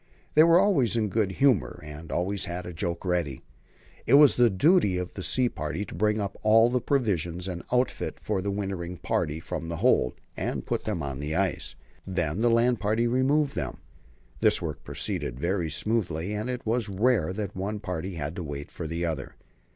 They were always in a good humour, and always had a joke ready. It was the duty of the sea party to bring up all the provisions and outfit for the wintering party from the hold, and put them on the ice. Then the land party removed them. This work proceeded very smoothly, and it was rare that one party had to wait for the other.